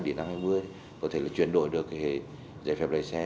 để năm hai nghìn hai mươi có thể là chuyển đổi được cái giấy phép lái xe